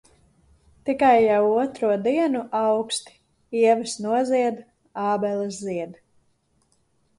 Tikai jau otro dienu auksti. Ievas nozied. Ābeles zied.